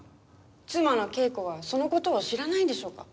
妻の啓子はその事を知らないんでしょうか？